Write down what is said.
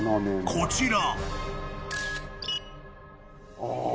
［こちら］